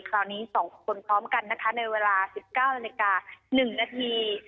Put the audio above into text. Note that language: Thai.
คราวนี้๒คนพร้อมกันนะคะในเวลา๑๙นาฬิกา๑นาที